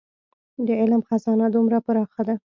د علم خزانه دومره پراخه ده.